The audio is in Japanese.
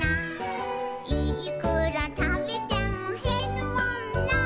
「いーくらたべてもへるもんなー」